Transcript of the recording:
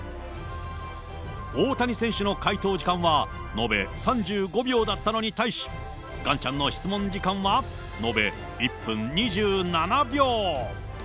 大谷選手の回答時間は延べ３５秒だったのに対し、ガンちゃんの質問時間は延べ１分２７秒。